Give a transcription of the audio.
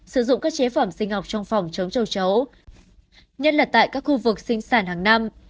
sử dụng các chế phẩm sinh học trong phòng chống châu chấu nhất là tại các khu vực sinh sản hàng năm